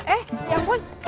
eh ya ampun tati